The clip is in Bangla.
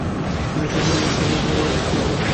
তিনি সেসময়ের বিশ্ববিজেতা খেলোয়াড়দের সাথে রাউন্ড খেলতেন।